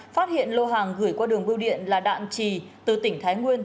phát hiện lô hàng gửi qua đường biêu điện là đạn trì từ tỉnh thái nguyên